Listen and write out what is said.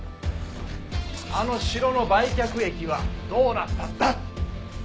あの城の売却益はどうなったんだ？